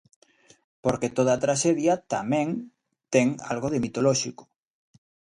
Porque toda traxedia, tamén, ten algo de mitolóxico.